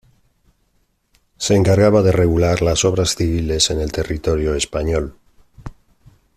Se encargaba de regular las obras civiles en el territorio español.